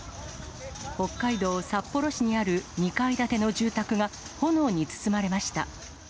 北海道札幌市にある２階建ての住宅が炎に包まれました。